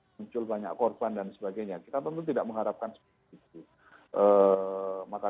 sehingga tidak ada lagi peristiwa peristiwa sengketa sengketa seperti tahun dua ribu sembilan belas